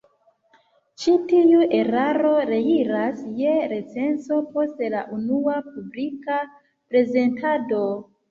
Ĉi tiu eraro reiras je recenzo post la unua publika prezentado.